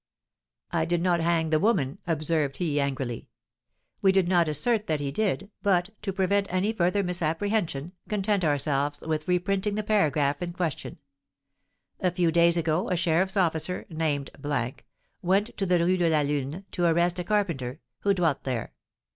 'I did not hang the woman!' observed he, angrily. We did not assert that he did, but, to prevent any further misapprehension, content ourselves with reprinting the paragraph in question: 'A few days ago, a sheriffs' officer, named , went to the Rue de la Lune, to arrest a carpenter, who dwelt there.